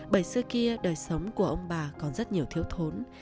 bởi xưa kia đời sống của ông bà còn rất nhiều thiếu thốn